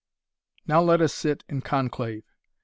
Now let us sit in conclave.